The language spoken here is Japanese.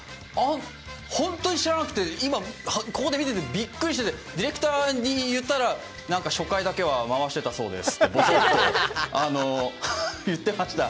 本当に知らなくて、今ここで見ててびっくりして、ディレクターに言ったら、初回だけは回していたそうですとぼそっと言ってました。